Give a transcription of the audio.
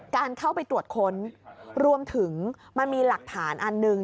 การเข้าไปตรวจค้นรวมถึงมันมีหลักฐานอันหนึ่ง